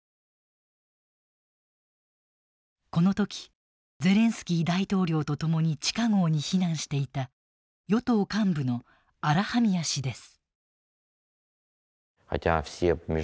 この時ゼレンスキー大統領と共に地下壕に避難していた与党幹部のアラハミア氏です。